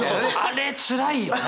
あれつらいよね！